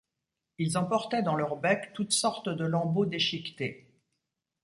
Ils emportaient dans leurs becs toutes sortes de lambeaux déchiquetés.